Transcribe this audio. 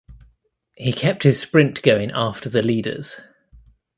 He kept his sprint going after the leaders.